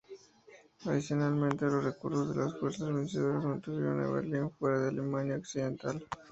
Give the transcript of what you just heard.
Adicionalmente, los acuerdos de las fuerzas vencedoras mantuvieron a Berlín fuera de Alemania Occidental.